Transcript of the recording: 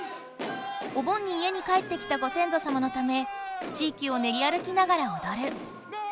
お盆に家に帰ってきたご先祖様のため地いきをねり歩きながらおどる。